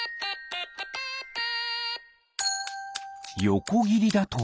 よこぎりだと。